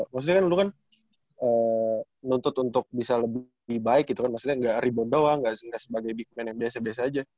maksudnya kan dulu kan nuntut untuk bisa lebih baik gitu kan maksudnya nggak rebound doang gak sih sebagai big man yang biasa biasa aja